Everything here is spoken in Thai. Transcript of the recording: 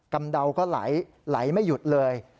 ำเดาก็ไหลไม่หยุดเลย